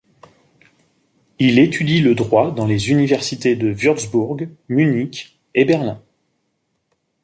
Il étudie le droit dans les universités de Wurtzbourg, Munich et Berlin.